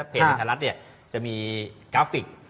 เพจอินทรัศน์จะมีกราฟิก